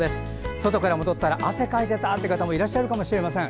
外から戻ったら汗かいてたなんていう方がいるかもしれません。